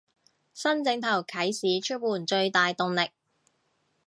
新正頭啟市出門最大動力